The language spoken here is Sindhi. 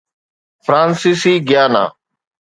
فرانسيسي گيانا